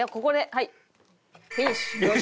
はい。